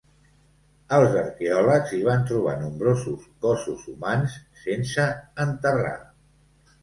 Els arqueòlegs hi van trobar nombrosos cossos humans sense enterrar.